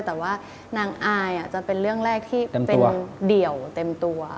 แต่ว่านางอายจะเป็นเรื่องแรกที่เป็นเดี่ยวเต็มตัว